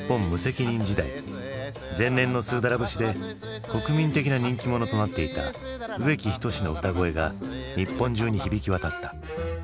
前年の「スーダラ節」で国民的な人気者となっていた植木等の歌声が日本中に響き渡った。